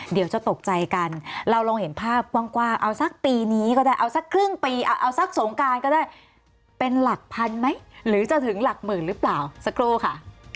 เอาซักครึ่งปีเอาซักสองการก็ได้เป็นหลักพันไหมหรือจะถึงหลักหมื่นหรือเปล่าสักครู่ค่ะ